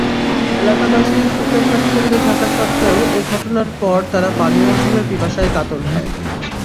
এলাকাবাসী সুখে-স্বাচ্ছন্দে থাকা সত্ত্বেও এ ঘটনার পর তারা পানির অভাবে পিপাসায় কাতর হয়।